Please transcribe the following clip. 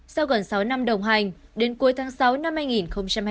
sau gần sáu năm đồng hành đến cuối tháng sáu năm hai nghìn hai mươi